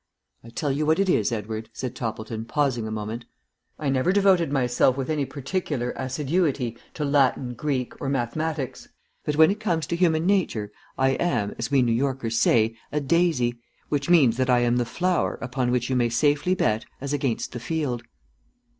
I tell you what it is, Edward," said Toppleton, pausing a moment, "I never devoted myself with any particular assiduity to Latin, Greek, or mathematics, but when it comes to human nature, I am, as we New Yorkers say, a daisy, which means that I am the flower upon which you may safely bet as against the field."